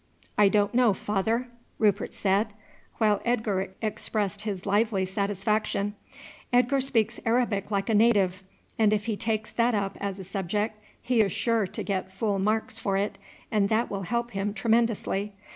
"I don't know, father," Rupert said; while Edgar expressed his lively satisfaction. "Edgar speaks Arabic like a native, and if he takes that up as a subject he is sure to get full marks for it, and that will help him tremendously.